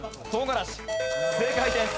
正解です。